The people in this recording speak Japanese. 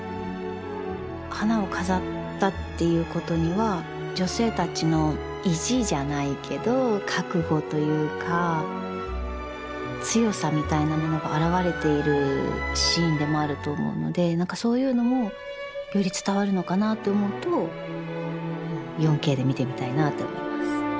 花を飾ったということには女性たちの意地じゃないけど覚悟というか強さみたいなものが表れているシーンでもあると思うので何かそういうのもより伝わるのかなと思うと４Ｋで見てみたいなと思います。